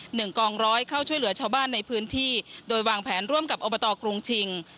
หนึ่งกองร้อยเข้าช่วยเหลือชาวบ้านในพื้นที่โดยวางแผนร่วมกับอบตกรุงชิง